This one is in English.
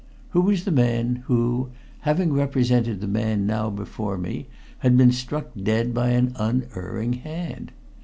Who was the man who, having represented the man now before me, had been struck dead by an unerring hand?